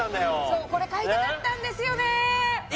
そうこれ買いたかったんですよね